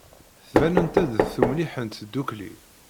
Ttbanent-d d tumliḥent ddukkli.